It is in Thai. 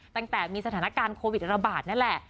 ตั้งแต่มีสถานการณ์โควิดระบาดนั่นแหละ